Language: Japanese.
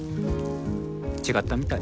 違ったみたい。